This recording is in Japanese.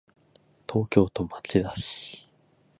東京都町田市